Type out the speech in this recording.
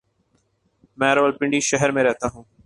میں راولپنڈی شہر میں رہتا ہوں۔